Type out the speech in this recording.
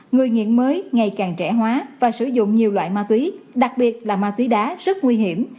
người nghiện mới ngày càng trẻ hóa và sử dụng nhiều loại ma túy đặc biệt là ma túy đá rất nguy hiểm